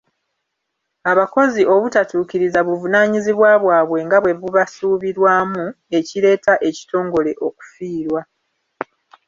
Abakozi obutatuukiriza buvunaanyizibwa bwabwe nga bwe bubasuubirwamu, ekireetera ekitongole okufiirwa.